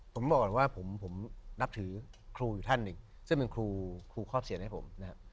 ผมบอกก่อนว่าผมนับถือครูอยู่ท่านหนึ่งซึ่งเป็นครูครอบเสียนให้ผมนะครับ